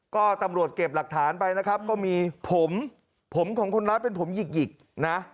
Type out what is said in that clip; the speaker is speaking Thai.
ก็ตำรวจเก็บหลักฐานไปนะครับก็มีผมผมของคนร้ายเป็นผมหยิกหยิกนะ